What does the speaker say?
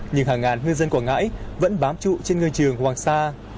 nhưng hàng ngàn ngư dân quảng ngãi vẫn bám trụ trên ngư trường hoàng sa